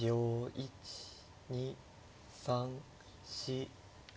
１２３４５。